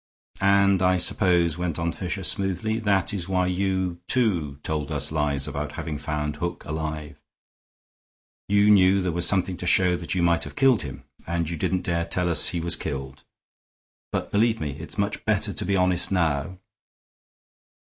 "And I suppose," went on Fisher, smoothly, "that is why you, too, told us lies about having found Hook alive. You knew there was something to show that you might have killed him, and you didn't dare tell us he was killed. But, believe me, it's much better to be honest now."